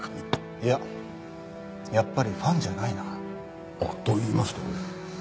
いややっぱりファンじゃないな。と言いますと？